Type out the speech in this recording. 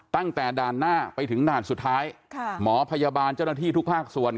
ตั้งแต่ด่านหน้าไปถึงด่านสุดท้ายหมอพยาบาลเจ้าหน้าที่ทุกภาคส่วน